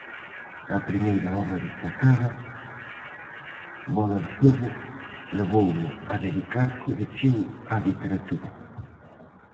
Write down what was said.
A primeira obra destacada, "Bóla de sebo", levouno a dedicarse de cheo á literatura.